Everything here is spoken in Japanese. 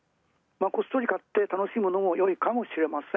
こっそり買って楽しむのもよいかもしれません。